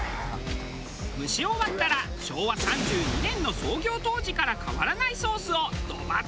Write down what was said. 蒸し終わったら昭和３２年の創業当時から変わらないソースをドバドバ！